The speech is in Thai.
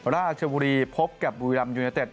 ลาด้าอักชบุรีพบกับบูรามยูเนเต็ด